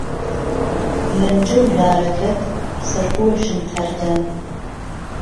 لهنجهولارهکهت سهرخوهشم کهردهن